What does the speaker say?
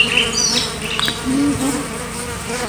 Liigu.